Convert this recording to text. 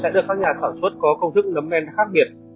nhà sản xuất có công thức nấm len khác biệt